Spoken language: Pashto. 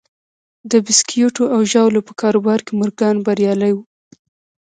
د بیسکويټو او ژاولو په کاروبار کې مورګان بریالی و